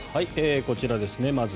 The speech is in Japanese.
こちらですね、まず。